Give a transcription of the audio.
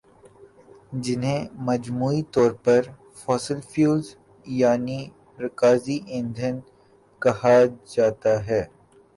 جنہیں مجموعی طور پر فوسل فیول یعنی رکازی ایندھن کہا جاتا ہے